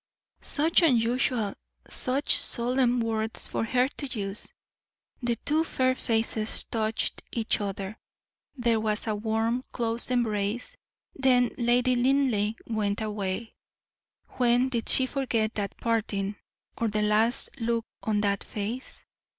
Such unusual, such solemn words for her to use! The two fair faces touched each other. There was a warm, close embrace, then Lady Linleigh went away. When did she forget that parting, or the last look on that face?